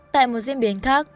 tại một diễn biến khác